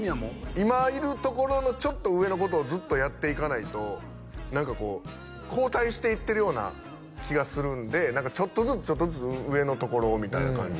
今いるとこのちょっと上のことをずっとやっていかないと何かこう後退していってるような気がするんでちょっとずつちょっとずつ上のところをみたいな感じです